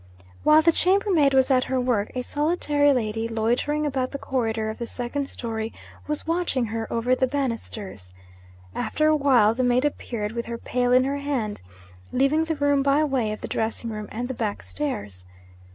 While the chambermaid was at her work, a solitary lady, loitering about the corridor of the second storey, was watching her over the bannisters. After a while, the maid appeared, with her pail in her hand, leaving the room by way of the dressing room and the back stairs.